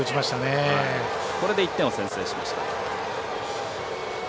これで１点を先制しました。